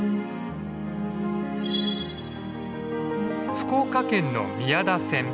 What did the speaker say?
福岡県の宮田線。